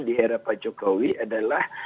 di era pak jokowi adalah